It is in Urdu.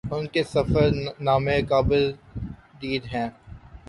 ان کے سفر نامے قابل دید ہیں